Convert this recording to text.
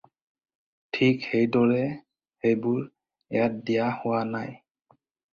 ঠিক সেইদৰে সেইবোৰ ইয়াত দিয়া হোৱা নাই।